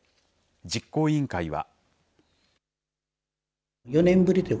実行委員会は。